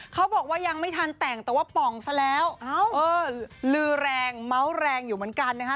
เขาบอกว่ายังไม่ทันแต่งแต่ว่าป่องซะแล้วลือแรงเมาส์แรงอยู่เหมือนกันนะคะ